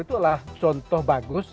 itulah contoh bagus